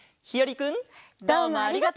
どうもありがとう！